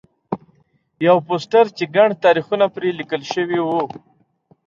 یو پوسټر چې ګڼ تاریخونه پرې لیکل شوي وو.